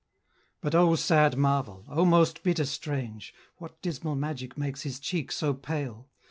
But O sad marvel! O most bitter strange! What dismal magic makes his cheek so pale?